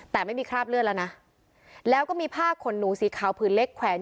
แต่ไม่มีคราบเลือดแล้วนะแล้วก็มีผ้าขนหนูสีขาวผืนเล็กแขวน